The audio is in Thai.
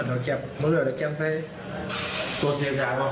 นะครับตัวนั้นเกิดอะไรไป